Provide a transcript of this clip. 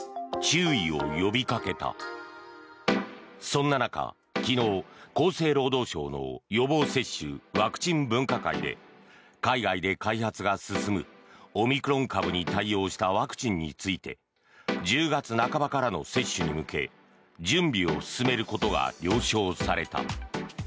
そんな中、昨日、厚生労働省の予防接種・ワクチン分科会で海外で開発が進むオミクロン株に対応したワクチンについて１０月半ばからの接種に向け準備を進めることが了承された。